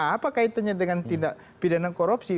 apa kaitannya dengan tindak pidana korupsi